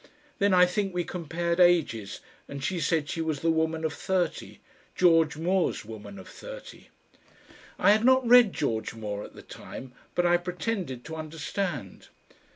Then I think we compared ages, and she said she was the Woman of Thirty, "George Moore's Woman of Thirty." I had not read George Moore at the time, but I pretended to understand.